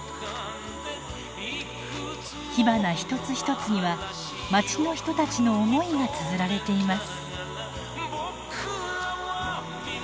火花一つ一つにはまちの人たちの思いがつづられています。